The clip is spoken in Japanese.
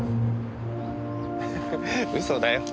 フフフ嘘だよ。